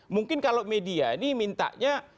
mungkin kalau media ini mintanya